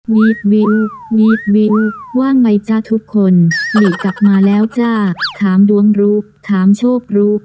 วิววิวว่าไงจ้ะทุกคนลิกลับมาแล้วจ้ะถามดวงรู้ถามโชครู้